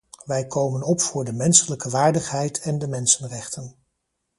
Wij komen op voor de menselijke waardigheid en de mensenrechten.